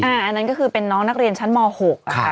อันนั้นก็คือเป็นน้องนักเรียนชั้นม๖ค่ะ